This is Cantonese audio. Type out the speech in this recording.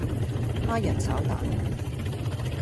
蝦仁炒蛋